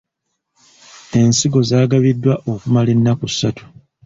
Ensigo zaagabiddwa okumala ennaku ssatu.